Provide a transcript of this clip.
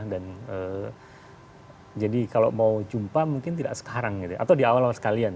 dan jadi kalau mau jumpa mungkin tidak sekarang gitu ya atau di awal awal sekalian